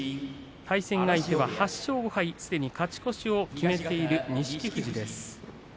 対戦相手は８勝５敗すでに勝ち越しを決めている錦富士です。